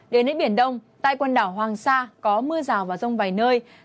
đến với biển đông tại quần đảo hoàng sa có mưa rào và rông vài nơi